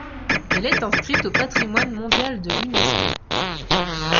Elle est inscrite au patrimoine mondial de l'Unesco.